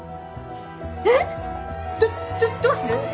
ええ！？どどうする？